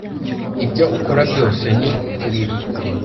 ibyo ukora byose ni kurira